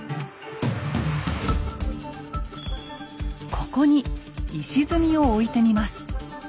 ここに石積みを置いてみます。